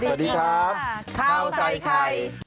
สวัสดีครับข้าวใส่ไข่